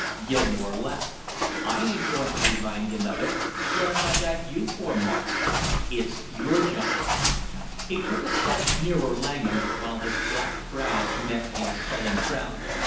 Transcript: Gilmore laughed. "I ain't going to remind him of it; what have I got you for, Marsh? It's your job." He took a step nearer Langham while his black brows met in a sullen frown.